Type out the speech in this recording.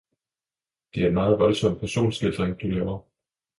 Det er en meget voldsom personskildring, du laver.